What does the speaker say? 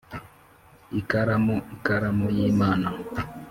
ikaramu-ikaramu y'imana,